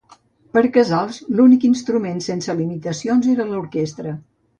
Per Casals, l'únic instrument sense limitacions era l'orquestra.